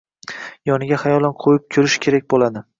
yoniga xayolan qo‘yib ko‘rish kerak bo‘ladi.